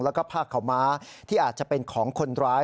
แล้วก็ผ้าขาวม้าที่อาจจะเป็นของคนร้าย